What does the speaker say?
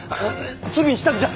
すぐに支度じゃ！